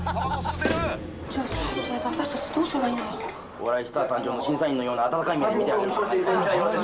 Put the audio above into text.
『お笑いスター誕生！！』の審査員のような温かい目で見て。